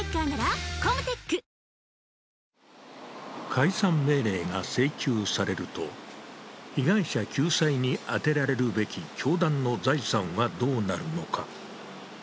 解散命令が請求されると、被害者救済に充てられるべき教団の財産はどうなるのか。